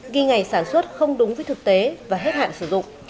ghi ngày sản xuất không đúng với thực tế và hết hạn sử dụng